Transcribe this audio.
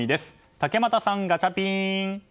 竹俣さん、ガチャピン！